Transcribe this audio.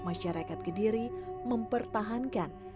masyarakat kediri mempertahankan